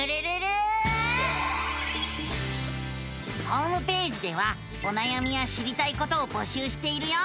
ホームページではおなやみや知りたいことを募集しているよ。